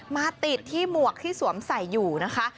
มาติดที่หมวกที่สวมใส่อยู่นะคะ